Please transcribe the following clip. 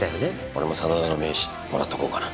俺も真田の名刺もらっとこうかな。